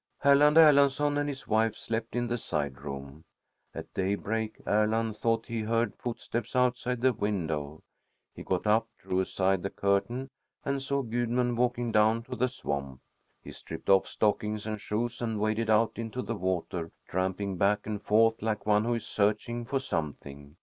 Erland Erlandsson and his wife slept in the side room. At daybreak Erland thought he heard footsteps outside the window. He got up, drew aside the curtain, and saw Gudmund walking down to the swamp. He stripped off stockings and shoes and waded out into the water, tramping back and forth, like one who is searching for something.